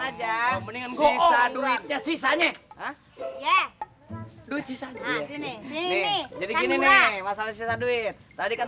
aja mendingan gua duitnya sisanya ya lu cinta nih jadi gini nih masalah sisa duit tadi kan